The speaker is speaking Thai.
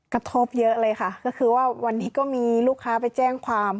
กระทบเยอะเลยค่ะก็คือว่าวันนี้ก็มีลูกค้าไปแจ้งความ